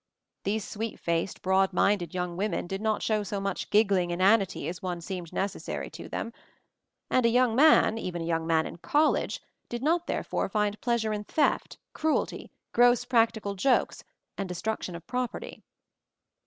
These sweet faced, broad minded young women did not show so much giggling inanity as once seemed necessary to them; and a young man, even a young man in college, did not, therefore, find pleasure in theft, cruelty, gross practical jokes and destruction of property.